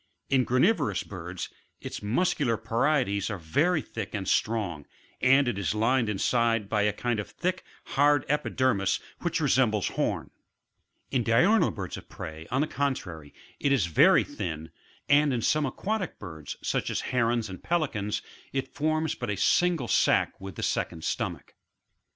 In granivorous birds its muscular parietes are very thick and strong, and it is lined inside by a kind of thick, hard epidermis which resembles horn ; in diurnal birds of prey, on the contrary, it is very thin, and in some aquatic birds, such as Herons and Pelicans, it forms but a single sack with the second stomach.